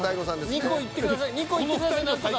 ２個いってください何とか。